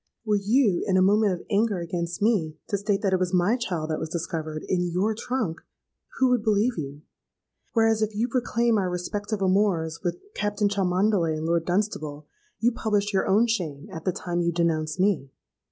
Were you, in a moment of anger against me, to state that it was my child that was discovered in your trunk, who would believe you? whereas, if you proclaim our respective amours with Captain Cholmondeley and Lord Dunstable, you publish your own shame at the time you denounce me.